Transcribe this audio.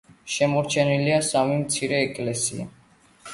შემორჩენილია სამი მცირე ეკლესია.